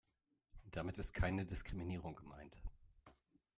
Damit ist keine Diskriminierung gemeint.